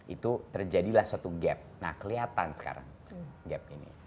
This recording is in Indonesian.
itu terjadilah suatu gap nah kelihatan sekarang gap ini